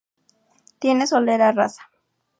Tiene solera, raza.